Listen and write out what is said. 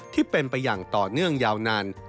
ที่เป็นไปอย่างต่อเนื่องยาวนาน